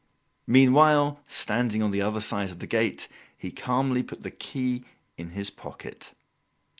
Meanwhile, standing on the other side of the gate, he calmly put the key in his pocket.